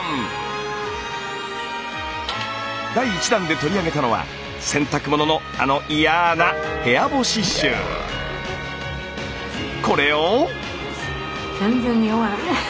第１弾で取り上げたのは洗濯物のあの嫌なこれを。